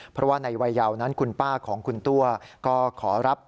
เพราะว่าในวัยยาวนั้นคุณป้าของคุณตัวก็ขอรับ